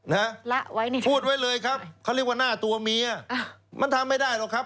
ละไว้นี่พูดไว้เลยครับเขาเรียกว่าหน้าตัวเมียอ่ามันทำไม่ได้หรอกครับ